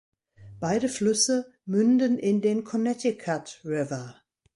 Beide Flüsse münden in den Connecticut River.